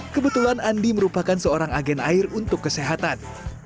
kebetulan andi merupakan seorang agen air untuk kesehatan